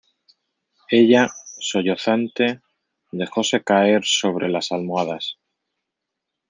ella, sollozante , dejóse caer sobre las almohadas: